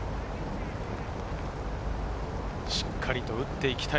しっかり打っていきたい